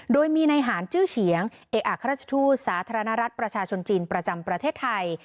โดยมีในหารจื้อเฉียงเอกอัครราชทูตสาธารณรัฐประชาชนจีนประจำประเทศไทย